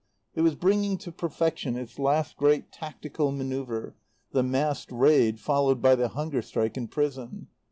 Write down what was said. It was bringing to perfection its last great tactical manoeuvre, the massed raid followed by the hunger strike in prison.